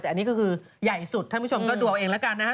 แต่อันนี้ก็คือใหญ่สุดท่านผู้ชมก็ดูเอาเองแล้วกันนะฮะ